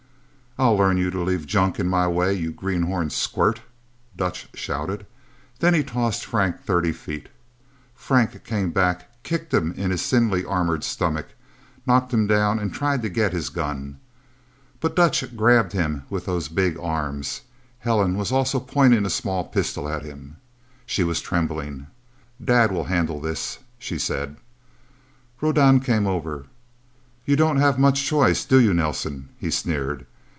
"I'll learn you to leave junk in my way, you greenhorn squirt!" Dutch shouted. Then he tossed Frank thirty feet. Frank came back, kicked him in his thinly armored stomach, knocked him down, and tried to get his gun. But Dutch grabbed him in those big arms. Helen was also pointing a small pistol at him. She was trembling. "Dad will handle this," she said. Rodan came over. "You don't have much choice, do you, Nelsen?" he sneered.